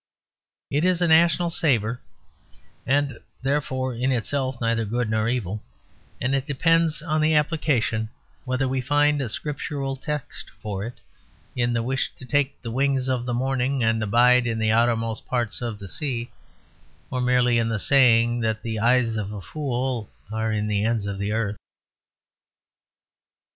It is a national savour, and therefore in itself neither good nor evil; and it depends on the application whether we find a scriptural text for it in the wish to take the wings of the morning and abide in the uttermost parts of the sea, or merely in the saying that the eyes of a fool are in the ends of the earth.